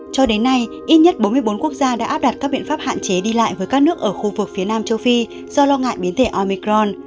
cho đến nay ít nhất bốn mươi bốn quốc gia đã áp đặt các biện pháp hạn chế đi lại với các nước ở khu vực phía nam châu phi do lo ngại biến thể omicron